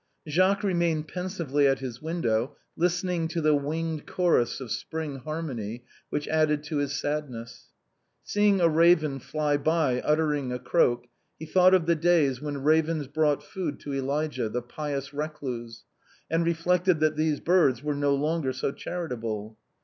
Jacques remained pensively at his window listening to the winged chorus of spring harmony which added to his sadness. Seeing a raven flit by uttering a croak, he thought of the days when ravens brought food to Elijah, the pious recluse, and reflected that these birds were no longer so charitable.